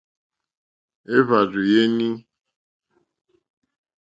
Èhvàrzù ya inèi.